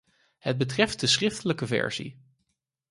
Het betreft de schriftelijke versie.